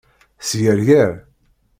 Sgerger.